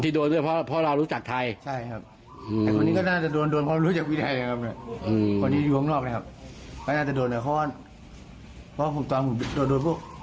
ตำรวจมาครับ